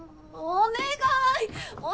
お願い！